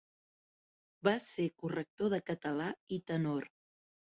Va ser corrector de català i tenor.